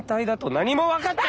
何も分かっちゃ。